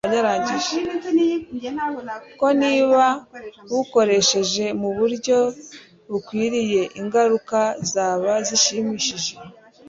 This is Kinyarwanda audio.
ko niba bukoresheje mu buryo bukwiriye ingaruka zaba zishimishije